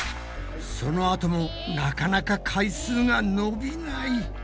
そのあともなかなか回数が伸びない。